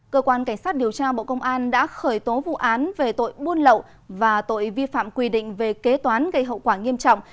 cơ quan cảnh sát điều tra bộ công an đã khởi tố vụ án về tội buôn lậu và tội vi phạm quy định về kế toán gây hậu quả nghiêm trọng